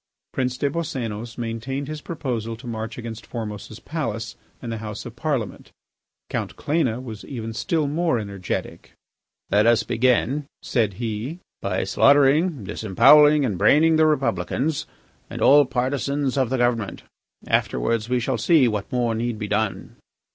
Prince des Boscénos maintained his proposal to march against Formose's palace and the House of Parliament. Count Cléna was even still more energetic. "Let us begin," said he, "by slaughtering, disembowelling, and braining the Republicans and all partisans of the government. Afterwards we shall see what more need be done."